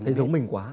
thấy giống mình quá